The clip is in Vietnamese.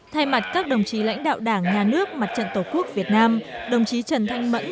thay mặt các đồng chí lãnh đạo đảng nhà nước mặt trận tổ quốc việt nam đồng chí trần thanh mẫn